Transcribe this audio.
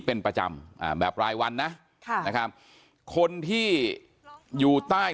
เป็นประจำอ่าแบบรายวันนะค่ะนะครับคนที่อยู่ใต้